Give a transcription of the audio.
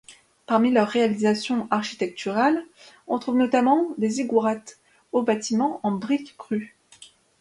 Parmi leur réalisations architecturales, on trouve notamment les ziggourats, hauts bâtiments en briques crues.